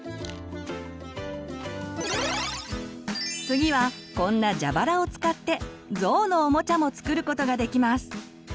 次はこんなジャバラを使ってぞうのおもちゃも作ることができます。